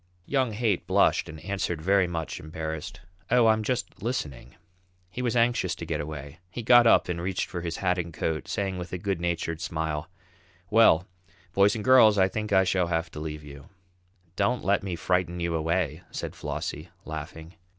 Young Haight blushed and answered very much embarrassed: "Oh, I'm just listening." He was anxious to get away. He got up and reached for his hat and coat, saying with a good natured smile: "Well, boys and girls, I think I shall have to leave you." "Don't let me frighten you away," said Flossie, laughing.